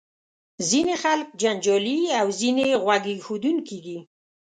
ځینې خلک جنجالي او ځینې غوږ ایښودونکي دي.